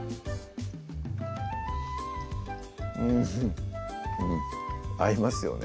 うんうん合いますよね